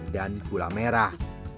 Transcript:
dan gula merah